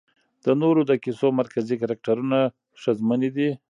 د نورو د کيسو مرکزي کرکټرونه ښځمنې دي